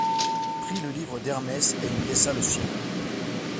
Prit le livre d’Hermès et lui laissa le sien.